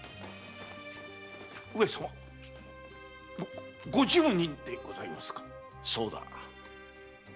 上様五十人でございますか⁉そうだ。